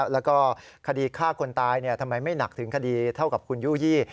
แล้วก็คดีฆ่าคนตายทำไมไม่หนักถึงคดีเท่ากับคุณยู่ยี่